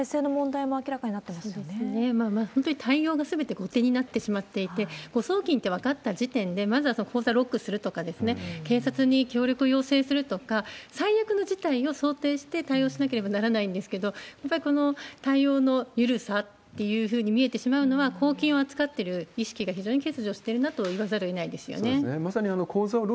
本当に対応がすべて後手になってしまっていて、誤送金って分かった時点で、まずはその口座をロックするとか、警察に協力を要請するとか、最悪の事態を想定して対応しなければならないんですけれども、やっぱりこの対応の緩さというふうに見えてしまうのは、公金を扱ってる意識が非常に欠如してるなといわざるをえないです